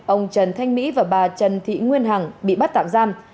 ông trần thanh mỹ và bà trần thị nguyên hằng bị bắt tạm giam